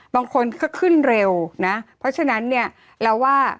บางคนก็ขึ้นเร็วนะเพราะฉะนั้นเนี่ยเราว่า